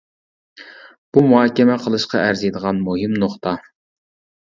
بۇ مۇھاكىمە قىلىشقا ئەرزىيدىغان مۇھىم نۇقتا.